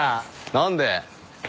何で？